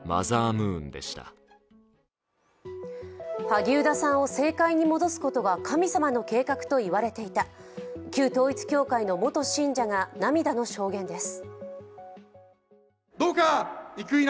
萩生田さんを政界に戻すことが神様の計画といわれていた、旧統一教会の元信者が涙の証言です。